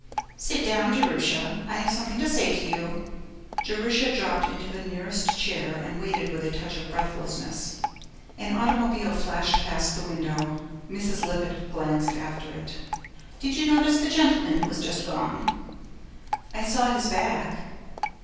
'Sit down, Jerusha, I have something to say to you.' Jerusha dropped into the nearest chair and waited with a touch of breathlessness. An automobile flashed past the window; Mrs. Lippett glanced after it. 'Did you notice the gentleman who has just gone?' 'I saw his back.'